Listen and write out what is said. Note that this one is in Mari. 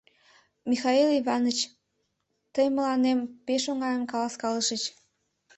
— Михаил Иваныч, тый мыланем пеш оҥайым каласкалышыч.